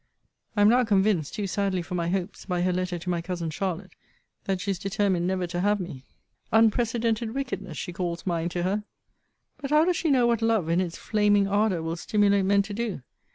I am now convinced, too sadly for my hopes, by her letter to my cousin Charlotte, that she is determined never to have me. Unprecedented wickedness, she calls mine to her. But how does she know what love, in its flaming ardour, will stimulate men to do?